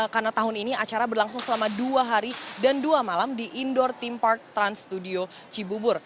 karena tahun ini acara berlangsung selama dua hari dan dua malam di indoor theme park trans studio cibubur